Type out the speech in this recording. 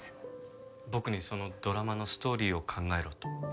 僕にそのドラマのストーリーを考えろと？